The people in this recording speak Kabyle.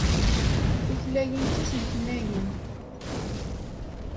Tutlayin d tisneknayin.